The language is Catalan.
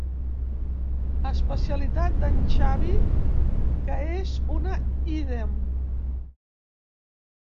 Especialitat d'en Xavi que és una ídem.